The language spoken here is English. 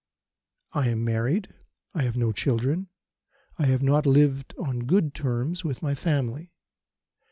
"I am married. I have no children. I have not lived on good terms with my family.